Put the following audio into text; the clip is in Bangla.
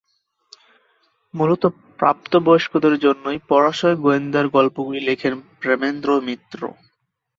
মূলত প্রাপ্তবয়স্কদের জন্যেই পরাশর গোয়েন্দার গল্পগুলি লেখেন প্রেমেন্দ্র মিত্র।